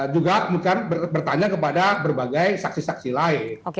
juga bertanya kepada berbagai saksi saksi lain